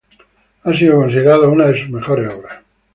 Ha sido considerado una de sus mejores obras.